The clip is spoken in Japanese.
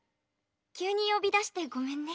急に呼び出してごめんね。